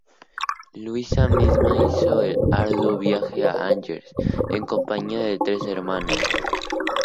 Luisa misma hizo el arduo viaje a Angers en compañía de tres hermanas.